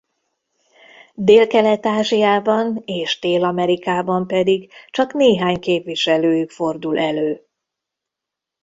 Délkelet-Ázsiában és Dél-Amerikában pedig csak néhány képviselőjük fordul elő.